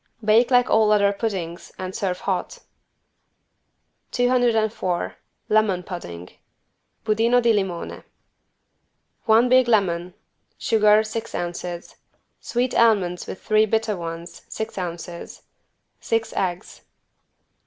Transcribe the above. Bake like all other puddings and serve hot. 204 LEMON PUDDING (Budino di limone) One big lemon. Sugar, six ounces. Sweet almonds with 3 bitter ones, six ounces. Six eggs.